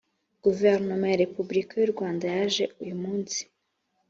guverinoma ya repubulika y u rwanda yaje uyumunsi